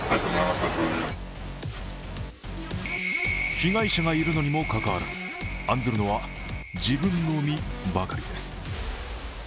被害者がいるにもかかわらず案ずるのは自分の身ばかりです。